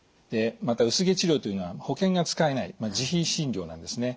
また薄毛治療というのは保険が使えない自費診療なんですね。